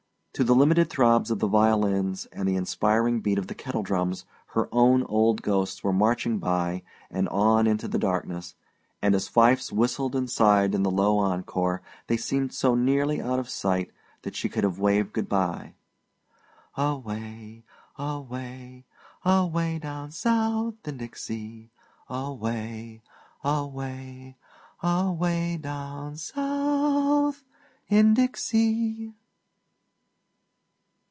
To the limited throb of the violins and the inspiring beat of the kettle drums her own old ghosts were marching by and on into the darkness, and as fifes whistled and sighed in the low encore they seemed so nearly out of sight that she could have waved good by. "Away, Away, Away down South in Dixie! Away, away, Away down South in Dixie!"